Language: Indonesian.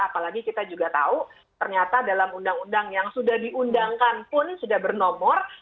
apalagi kita juga tahu ternyata dalam undang undang yang sudah diundangkan pun sudah bernomor